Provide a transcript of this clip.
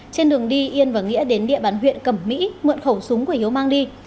trên đường đi yên và nghĩa đến địa bàn huyện cẩm mỹ mượn khẩu súng của hiếu mang đi